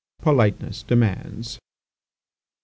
"Politeness demands. .